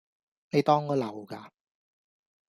你當我流㗎